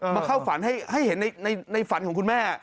เข้าฝันให้เห็นในฝันของคุณแม่